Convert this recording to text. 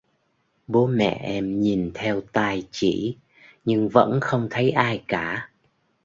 Bố mẹ em nhìn theo tay chỉ nhưng vẫn không thấy ai cả